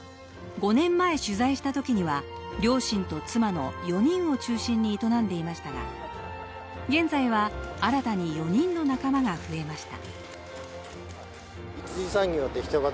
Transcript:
５年前、取材した時には両親と妻の４人を中心に営んでいましたが、現在は新たに４人の仲間が増えました。